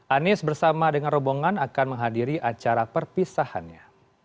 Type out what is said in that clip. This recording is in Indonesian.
anies bersama dengan rombongan akan menghadiri acara perpisahannya